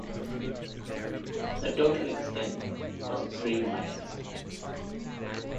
The total extent was three miles.